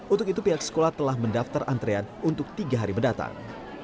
untuk itu pihak sekolah telah mendaftar antrean untuk tiga hari mendatang